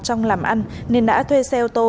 trong làm ăn nên đã thuê xe ô tô